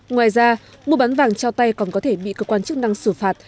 ngoài ra mua bán vàng trao tay còn có thể bị cơ quan chức năng xử phạt